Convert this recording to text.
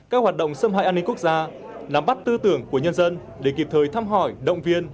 các hoạt động xâm hại an ninh quốc gia nắm bắt tư tưởng của nhân dân để kịp thời thăm hỏi động viên